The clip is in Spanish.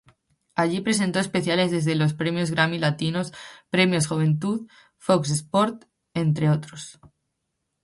Allí presentó especiales desde los "Premios Grammy Latinos", "Premios Juventud", "Fox Sports", entre otros.